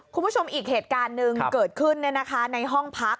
คุณผู้ชมอีกเหตุการณ์หนึ่งเกิดขึ้นในห้องพัก